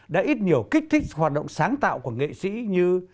đã ít nhiều kích thích hoạt động sáng tạo của nghệ sĩ như